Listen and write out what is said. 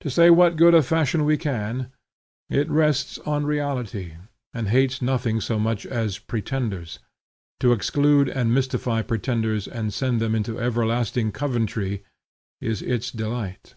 To say what good of fashion we can, it rests on reality, and hates nothing so much as pretenders; to exclude and mystify pretenders and send them into everlasting 'Coventry,' is its delight.